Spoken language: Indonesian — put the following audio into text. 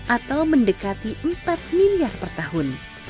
atau mendekati empat miliar per tahun